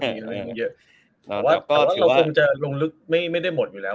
แต่ว่าก็ถือว่าคงจะลงลึกไม่ได้หมดอยู่แล้ว